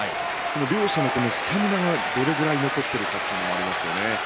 両者スタミナがどれぐらい残っているかというのもありますね。